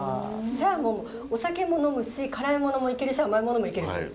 じゃあもうお酒も呑むし辛いものもいけるし甘いものもいけるしみたいな。